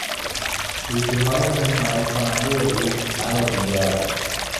شوخیهای مشمئز کنندهی او مرا بیزار کرد.